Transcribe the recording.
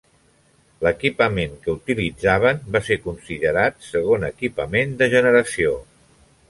L'equipament que utilitzaven va ser considerat segon equipament de generació.